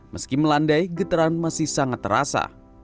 meski melandai getaran masih sangat terasa